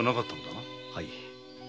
はい。